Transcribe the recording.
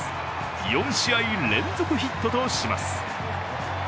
４試合連続ヒットとします。